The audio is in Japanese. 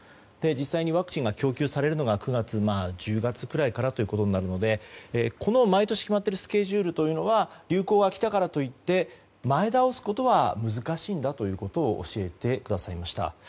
実際にワクチンが供給されるのが１０月くらいからとなるので毎年決まっているスケジュールは流行が来たからといって前倒すことは難しいんだということを教えてくださいました。